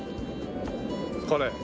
これ。